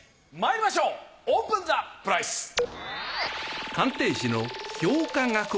まいりましょうオープンザプライス！